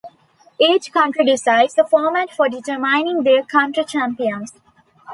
Each county decides the format for determining their county champions.